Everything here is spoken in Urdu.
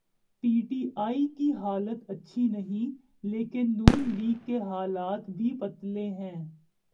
پی ٹی آئی کی حالت اچھی نہیں لیکن نون لیگ کے حالات بھی پتلے ہیں۔